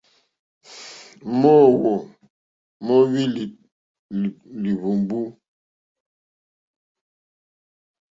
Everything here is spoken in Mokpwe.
Móǒhwò móóhwì lìhwùmbú.